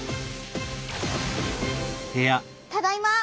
ただいま！